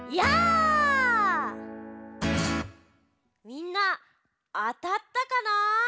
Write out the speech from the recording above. みんなあたったかな？